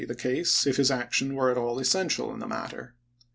vil the case if his action were at all essential in the matter.